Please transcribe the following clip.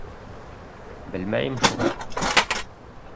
— Белмәйем шул.